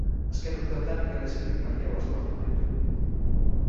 Azken urteotan ingelesetik mailegu asko hartu ditu.